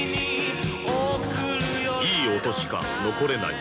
「いい音しか残れない。